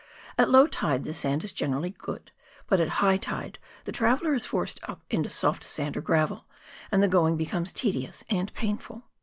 At low tide the sand is generally good, but at high tide the traveller is forced up into soft sand or gravel, and the going becomes tedious and painful.